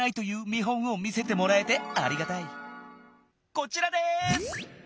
こちらです。